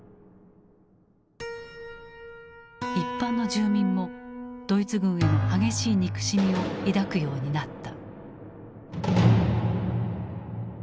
一般の住民もドイツ軍への激しい憎しみを抱くようになった。